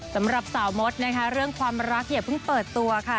สำหรับสาวมดนะคะเรื่องความรักอย่าเพิ่งเปิดตัวค่ะ